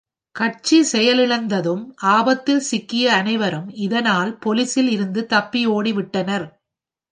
கட்சி செயலிழந்ததும், ஆபத்தில் சிக்கிய அனைவரும் இதனால் போலீசில் இருந்து தப்பி ஓடிவிட்டனர்.